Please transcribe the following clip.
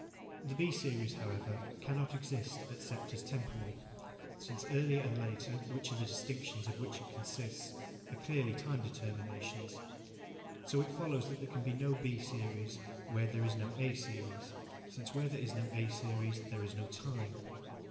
The B series, however, cannot exist except as temporal, since earlier and later, which are the distinctions of which it consists, are clearly time determinations. So it follows that there can be no B series where there is no A series, since where there is no A series there is no time.